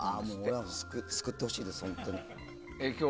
救ってほしいです、本当に。